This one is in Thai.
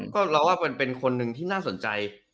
ก็เราว่าเป็นคนหนึ่งที่น่าสนใจ